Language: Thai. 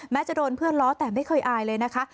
จะโดนเพื่อนล้อแต่ไม่เคยอายเลยนะคะ